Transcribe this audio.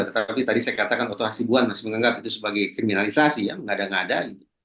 tetapi tadi saya katakan oto hasibuan masih menganggap itu sebagai kriminalisasi ya mengada ngada